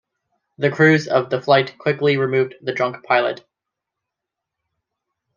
The crews of the flight quickly removed the drunk pilot.